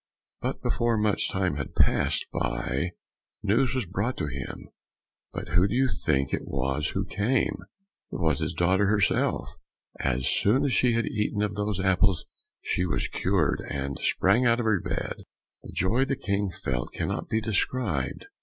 But before much time had passed by, news was brought to him: but who do you think it was who came? it was his daughter herself! As soon as she had eaten of those apples, she was cured, and sprang out of her bed. The joy the King felt cannot be described!